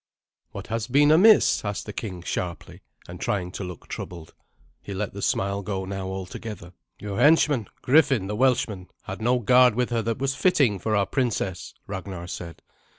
"What has been amiss?" asked the king sharply, and trying to look troubled. He let the smile go now altogether. "Your henchman, Griffin the Welshman, had no guard with her that was fitting for our princess," Ragnar said.